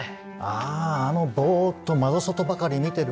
ああのボっと窓外ばかり見てる。